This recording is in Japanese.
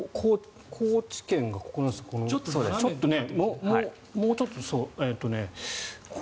高知県がここなんですけどもうちょっと。